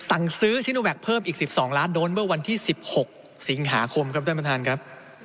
สั่งซื้อชิโนแวคเพิ่มอีก๑๒ล้านโดสเมื่อวันที่๑๖สิงหาคมครับท่านประธานครับ